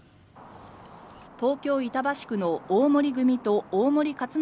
東京・板橋区の大森組と大森克典